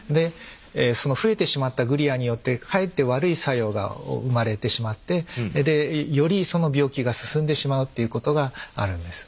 その増えてしまったグリアによってかえって悪い作用が生まれてしまってよりその病気が進んでしまうっていうことがあるんです。